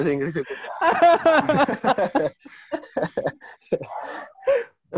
i think edo tuh ya